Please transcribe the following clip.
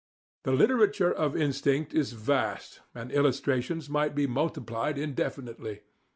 The literature of instinct is vast, and illustrations might be multiplied indefinitely.